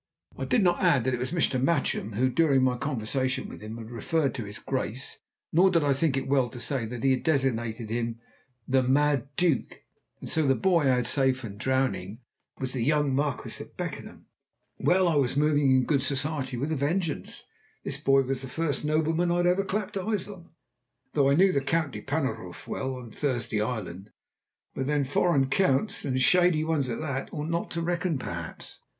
I did not add that it was Mr. Matchem who, during my conversation with him, had referred to his Grace, nor did I think it well to say that he had designated him the "Mad Duke." And so the boy I had saved from drowning was the young Marquis of Beckenham. Well, I was moving in good society with a vengeance. This boy was the first nobleman I had ever clapped eyes on, though I knew the Count de Panuroff well enough in Thursday Island. But then foreign Counts, and shady ones at that, ought not to reckon, perhaps.